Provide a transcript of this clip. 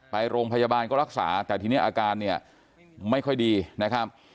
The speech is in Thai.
ไปโรงพยาบาลก็รักษาแต่ทีนี้อาการเนี่ยไม่ค่อยดีนะครับ